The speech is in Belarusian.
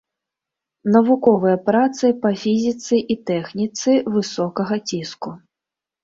Навуковыя працы па фізіцы і тэхніцы высокага ціску.